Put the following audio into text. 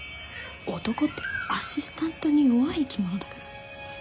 男ってアシスタントに弱い生き物だから。